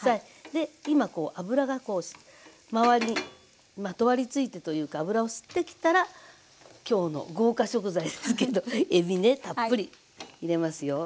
で今こう油が周りにまとわりついてというか油を吸ってきたら今日の豪華食材ですけどえびねたっぷり入れますよ。